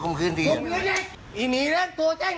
ร่วมกันหนึ่งกัน